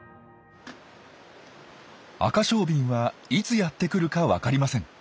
アカショウビンはいつやってくるかわかりません。